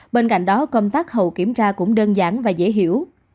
bên cạnh đó công tác hậu kiểm tra cũng đơn giản và dễ hiểu